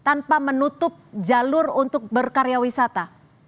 bagaimana cara anda menutup jalur untuk berkarya wisata